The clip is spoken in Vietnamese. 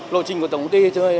lộ trình của tổng công ty